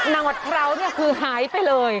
นังบะเคราะห์เนี่ยคือหายไปเลย